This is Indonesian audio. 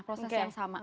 proses yang sama